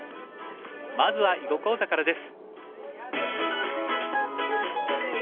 まずは囲碁講座からです。